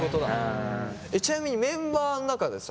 ちなみにメンバーん中でさ